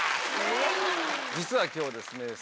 実は今日ですね